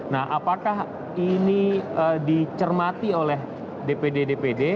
nah apakah ini dicermati oleh dpd dpd